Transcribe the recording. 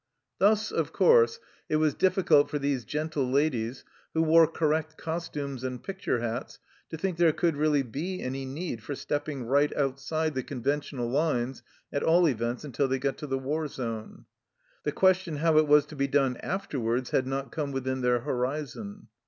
Thus, of course, it was difficult for these gentle ladies, who wore correct costumes and picture hats, to think there could really be any need for stepping right outside the conventional lines, at all events until they got to the war zone. The question how it was to be done afterwards had not come within their horizon.